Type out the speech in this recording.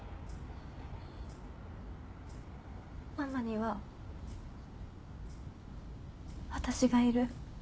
ママには私がいる。